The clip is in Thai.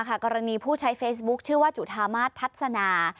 กรณีผู้ใช้เฟซบุ๊คชื่อว่าจุธามาศทัศนา